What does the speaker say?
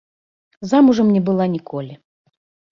Замужам не была ніколі.